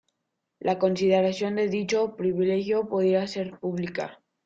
La consideración de dicho privilegio podía ser pública.